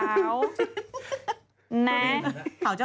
สบายเขียวชะ